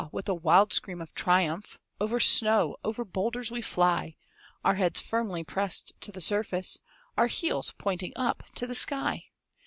with a wild scream of triumph, Over snow, over boulders we fly, Our heads firmly pressed to the surface, Our heels pointing up to the sky!